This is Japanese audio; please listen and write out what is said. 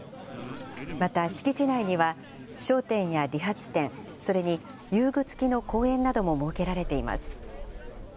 また敷地内には、商店や理髪店、それに遊具つきの公園なども設けられています。